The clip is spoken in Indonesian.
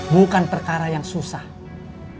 bukan perkara yang diperlukan untuk memperoleh darah itu